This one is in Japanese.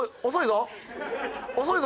遅いぞ。